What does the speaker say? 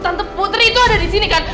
tante putri itu ada di sini kan